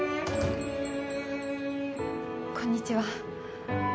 こんにちは